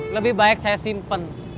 lebih baik saya simpen